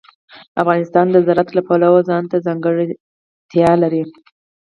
افغانستان د زراعت له پلوه ځانته ځانګړتیا لري.